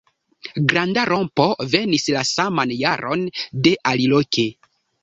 Granda rompo venis la saman jaron de aliloke.